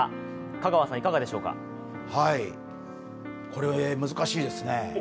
これ、難しいですね。